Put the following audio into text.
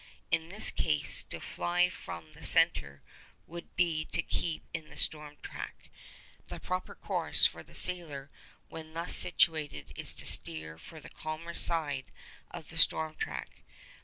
In this case, to fly from the centre would be to keep in the storm track; the proper course for the sailor when thus situated is to steer for the calmer side of the storm track.